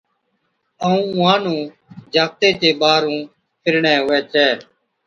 ائُون اُونھان نُون جاکَتي چي ٻاھرُون ڦِرڻي ھُوي ڇَي